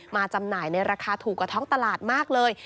จำหน่ายในราคาถูกกว่าท้องตลาดมากเลย